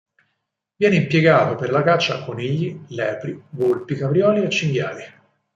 Viene impiegato per la caccia a conigli, lepri, volpi, caprioli e cinghiali.